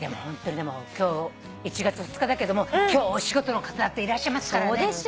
ホントにでも今日１月２日だけども今日お仕事の方だっていらっしゃいますからね。